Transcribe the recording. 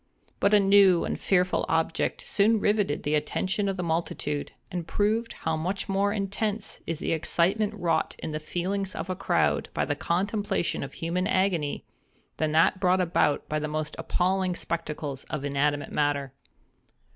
But a new and fearful object soon rivetted the attention of the multitude, and proved how much more intense is the excitement wrought in the feelings of a crowd by the contemplation of human agony, than that brought about by the most appalling spectacles of inanimate matter.